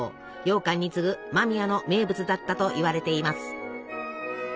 ようかんに次ぐ間宮の名物だったといわれています。